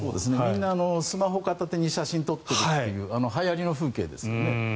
みんなスマホ片手に写真を撮っているというあのはやりの風景ですよね。